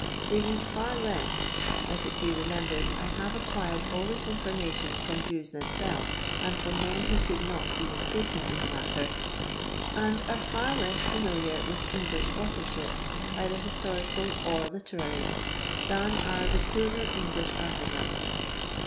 They read far less (let it be re membered I have acquired all this information from Jews themselves, and from men who could not be mistaken in the matter), and are far less familiar with English authorship, either historical or literary, than are the poorer English artizans.